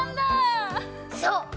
そう！